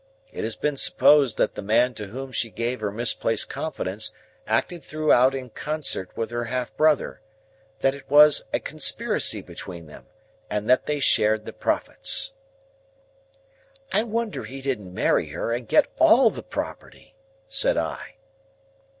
It has been supposed that the man to whom she gave her misplaced confidence acted throughout in concert with her half brother; that it was a conspiracy between them; and that they shared the profits." "I wonder he didn't marry her and get all the property," said I.